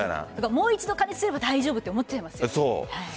もう一度加熱すれば大丈夫と思ってますよね。